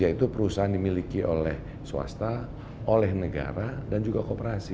yaitu perusahaan dimiliki oleh swasta oleh negara dan juga kooperasi